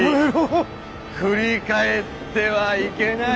「振り返ってはいけない。